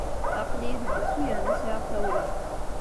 Aql-iyi deg wusu yerna sɛiɣ tawla.